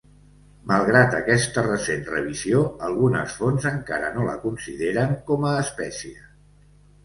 Malgrat aquesta recent revisió, algunes fonts encara no la consideren com a espècie.